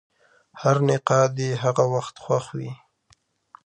هر نقاد یې هغه وخت خوښ وي.